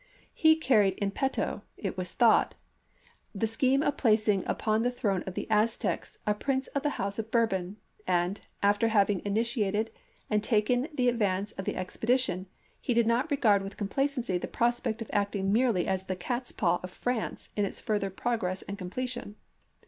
He carried in petto — it was thought — the scheme of placing upon the throne of the Aztecs a prince of the house of Bourbon, and, after having initiated and taken the advance in the expedition, he did not regard with complacency the prospect of acting merely as the cat's paw of France in its further progress and completion.